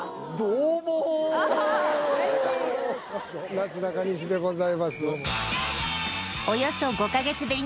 なすなかにしでございます